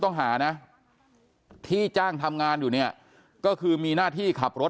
ต้องหานะที่จ้างทำงานอยู่เนี่ยก็คือมีหน้าที่ขับรถ